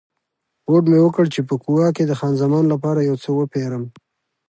هوډ مې وکړ چې په کووا کې د خان زمان لپاره یو څه وپیرم.